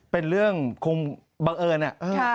เป็นเรื่องคงบังเอิญนะครับ